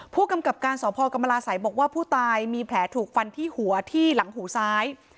ผู้กำกับการสพกรรมราศัยบอกว่าผู้ตายมีแผลถูกฟันที่หัวที่หลังหูซ้าย